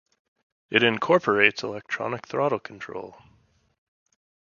It incorporates electronic throttle control.